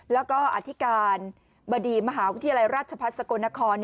แล้วก็อธิการบดีมหาวิทยาลัยราชพัฒน์สกลนคร